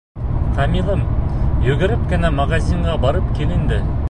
Камилым, йүгереп кенә магазинға барып кил инде.